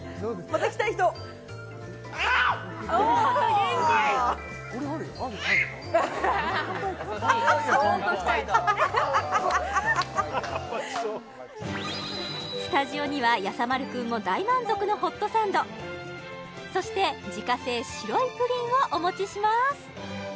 元気相当来たいとスタジオにはやさ丸くんも大満足のホットサンドそして自家製白いプリンをお持ちします